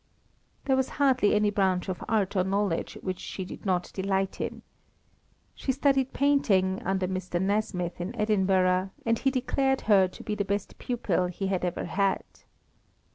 There was hardly any branch of art or knowledge which she did not delight in. She studied painting under Mr. Nasmyth in Edinburgh, and he declared her to be the best pupil he had ever had.